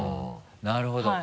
なるほど。